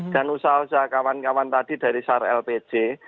dan usaha usaha kawan kawan tadi dari sar lpj